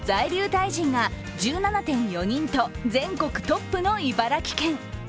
タイ人が１７．４人と全国トップの茨城県。